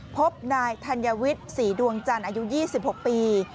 พบนายธัญวิทย์ศรีดวงจันทร์อายุ๒๖ปี